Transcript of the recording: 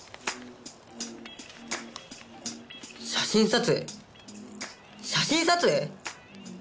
写真撮影写真撮影！？